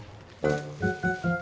jadi ngojek ya kak